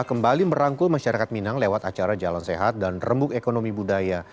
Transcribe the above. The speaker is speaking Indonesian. kembali merangkul masyarakat minang lewat acara jalan sehat dan rembuk ekonomi budaya